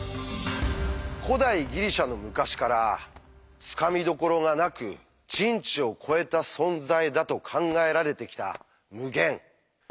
古代ギリシャの昔からつかみどころがなく「人知を超えた存在」だと考えられてきた「無限」。